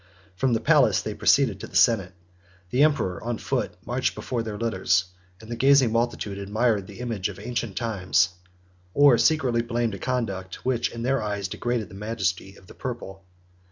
From the palace they proceeded to the senate. The emperor, on foot, marched before their litters; and the gazing multitude admired the image of ancient times, or secretly blamed a conduct, which, in their eyes, degraded the majesty of the purple.